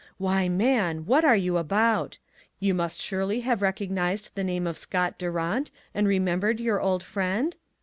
Why, man, what were you about! You must surely have recognized the name of Scott Durant, and remembered your old friend